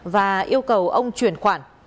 và yêu cầu ông chuyển khoản